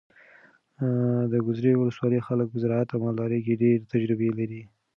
د ګذرې ولسوالۍ خلک په زراعت او مالدارۍ کې ډېره تجربه لري.